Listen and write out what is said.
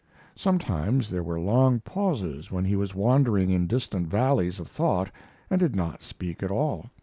Sometimes there were long pauses when he was wandering in distant valleys of thought and did not speak at all.